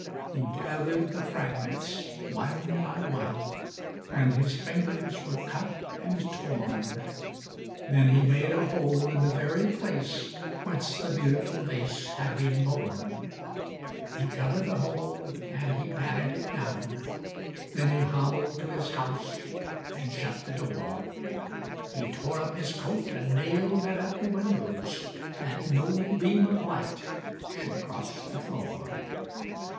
He gathered the fragments, one by one, And his fingers were cut and torn. Then he made a hole in the very place Whence the beautiful vase had been borne. He covered the hole, and he patted it down, Then he hobbled to his house and shut the door. He tore up his coat and nailed it at the windows That no beam of light should cross the floor.